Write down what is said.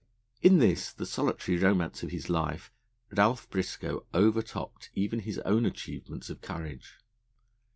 In this, the solitary romance of his life, Ralph Briscoe overtopped even his own achievements of courage.